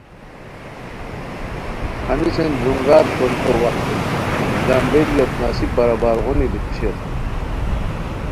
ہنیسین درونگار کوریکو وخت نِکی جم بیلیوت نصیب برابر غونی بیتی شیر